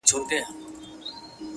د زړو غمونو یاري’ انډيوالي د دردونو’